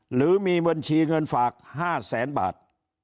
หรือมีบัญชีเงินฝาก๕แสนบาท